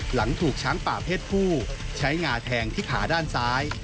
หลังถูกช้างป่าเพศผู้ใช้งาแทงที่ขาด้านซ้าย